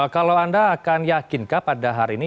kalau anda akan yakinkah pada hari ini